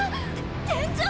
天井！